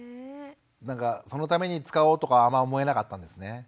そのために使おうとかあんま思えなかったんですね？